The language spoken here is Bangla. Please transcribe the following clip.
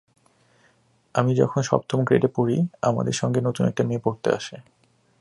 আমি যখন সপ্তম গ্রেডে পড়ি, আমাদের সঙ্গে নতুন একজন মেয়ে পড়তে আসে।